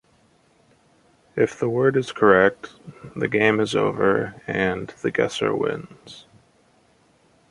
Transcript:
If the word is correct, the game is over and the guesser wins.